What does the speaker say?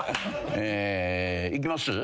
えー。いきます？